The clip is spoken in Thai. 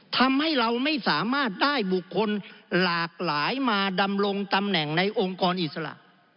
ทำให้เราไม่สามารถได้บุคคลหลากหลายมาดำรงตำแหน่งในองค์กรอิสระ